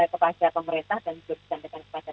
kepada pemerintah dan juga disampaikan kepada